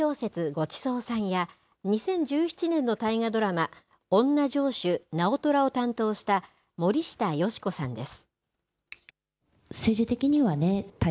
ごちそうさんや２０１７年の大河ドラマおんな城主直虎を担当した森下佳子さんです。